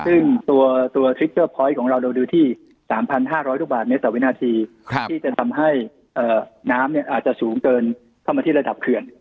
กินตัจีกที่ด้วยมองที่เราดูที่๓๕๐๖บาทเมตรเมนาทีต้องการให้น้ำน่ามีอธิบายจะสูงเกินข้อจ่อยมากับระดับมิดักเขื่อน